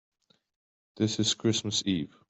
This is Christmas Eve.